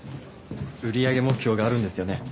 売り上げ目標があるんですよね。